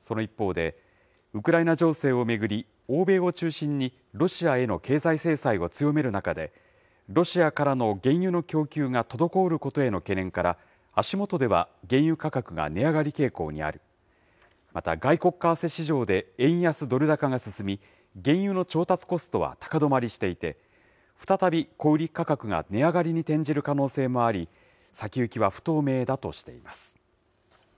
その一方で、ウクライナ情勢を巡り、欧米を中心にロシアへの経済制裁を強める中で、ロシアからの原油の供給が滞ることへの懸念から、足元では原油価格が値上がり傾向にあり、また、外国為替市場で円安ドル高が進み、原油の調達コストは高止まりしていて、再び小売り価格が値上がりに転じる可能性もあり、先行きは不透明だとしています。